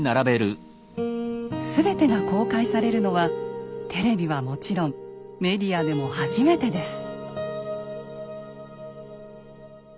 全てが公開されるのはテレビはもちろんメディアでも初めてです。